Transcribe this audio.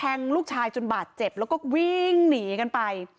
ลูกชายจนบาดเจ็บแล้วก็วิ่งหนีกันไป